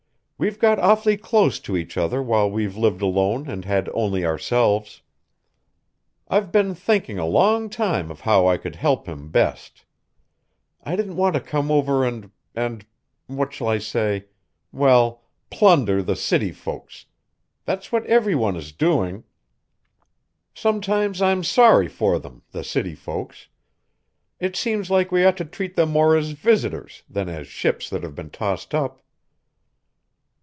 We've got awfully close to each other while we've lived alone and had only ourselves. I've been thinking a long time of how I could help him best. I didn't want to come over and and what shall I say? well, plunder the city folks. That's what every one is doing. Sometimes I'm sorry for them, the city folks. It seems like we ought to treat them more as visitors, than as ships that have been tossed up."